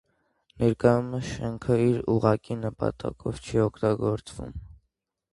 Ներկայումս շենքը իր ուղղակի նպատակով չի օգտագործվում։